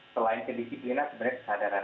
selain kedisiplinan sebenarnya kesadaran